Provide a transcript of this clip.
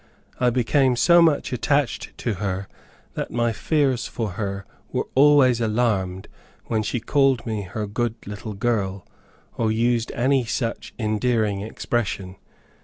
I became so much attached to her, that my fears for her were always alarmed when she called me her good little girl, or used any such endearing expression.